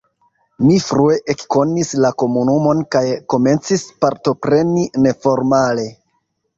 Mi frue ekkonis la komunumon kaj komencis partopreni neformale.